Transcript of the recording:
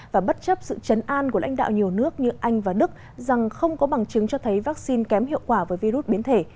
và bất chấp sự chấn an của lãnh đạo nhiều nước như anh và đức rằng không có bằng chứng cho thấy vaccine kém hiệu quả với virus biến thể